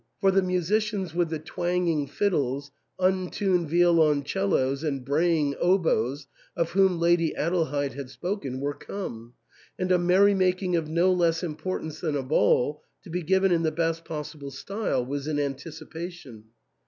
For the musicians with the twanging fiddles, untuned violon cellos, and braying oboes, of whom Lady Adelheid had spoken, were come, and a merrymaking of no less im portance than a ball, to be given in the best possible style, was in anticipation.